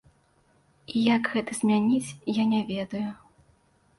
І як гэта змяніць, я не ведаю.